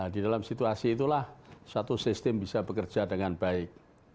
di dalam situasi itulah suatu sistem bisa bekerja dengan baik